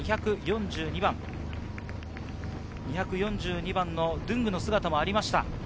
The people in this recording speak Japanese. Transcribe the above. ２４２番、ドゥングの姿もあります。